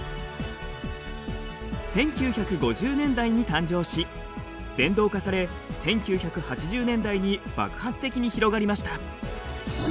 １９５０年代に誕生し電動化され１９８０年代に爆発的に広がりました。